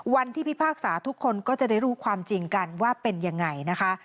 พิพากษาทุกคนก็จะได้รู้ความจริงกันว่าเป็นยังไงนะคะ